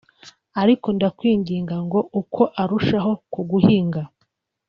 ariko ndakwinginga ngo uko arushaho kuguhiga